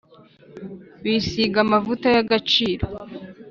bisiga amavuta y’agaciro,